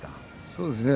そうですね。